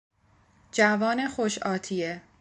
جوان خوش آتیه